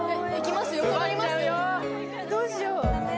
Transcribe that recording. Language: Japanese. ・どうしようダメ？